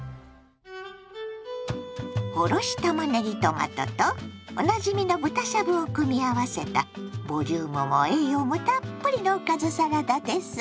おろしたまねぎトマトとおなじみの豚しゃぶを組み合わせたボリュームも栄養もたっぷりのおかずサラダです。